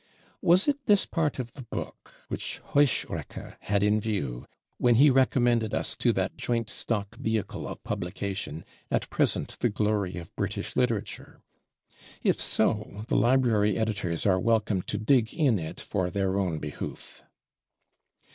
Was it this Part of the Book which Heuschrecke had in view, when he recommended us to that joint stock vehicle of publication, "at present the glory of British Literature"? If so, the Library Editors are welcome to dig in it for their own behoof.